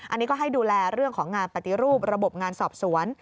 อันนี้ก็ให้ดูแลเรื่องของงานปฏิรูประบบงานสอบสวน